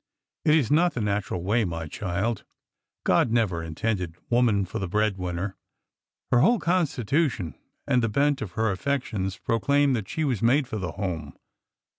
It is not the natural way, my child. God never intended woman for the bread winner. Her whole constitution and the bent of her affections pro claim that she was made for the home.